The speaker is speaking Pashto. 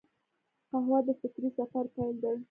قهوه د فکري سفر پیل دی